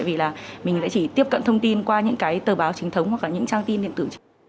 và mình đã chỉ tiếp cận thông tin qua những cái tờ báo chính thống hoặc là những trang tin điện tử